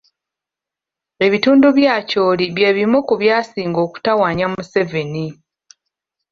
Ebitundu bya Acholi bye bimu ku byasinga okutawaanya Museveni.